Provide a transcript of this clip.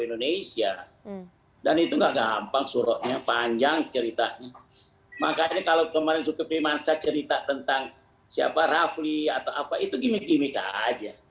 di indonesia dan itu gak gampang suroknya panjang ceritanya makanya kalau kemarin zulkifli mansar cerita tentang siapa rafli atau apa itu gimik gimik aja